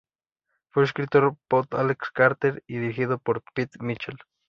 Fue escrito pot Alex Carter y dirigido por Pete Michels.